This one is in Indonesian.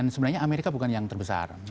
sebenarnya amerika bukan yang terbesar